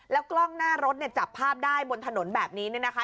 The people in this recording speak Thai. กล้องหน้ารถเนี่ยจับภาพได้บนถนนแบบนี้เนี่ยนะคะ